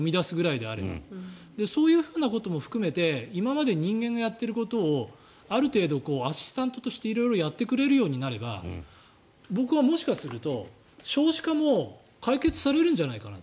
新しいものを生み出すのであればそういうのも含めて人間が考えていることをある程度、アシスタントとして色々やってくれるようになれば僕はもしかすると少子化も解決されるんじゃないかなと。